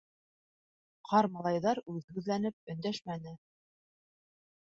Ҡар малайҙар үҙһүҙләнеп өндәшмәне.